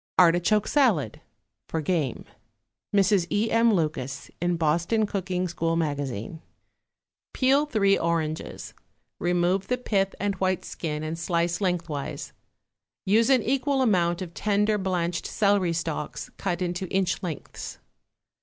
=Artichoke Salad.= (For game.) (MRS. E. M. LUCAS, IN BOSTON COOKING SCHOOL MAGAZINE.) Peel three oranges, remove the pith and white skin and slice lengthwise; use an equal amount of tender blanched celery stalks cut into inch lengths.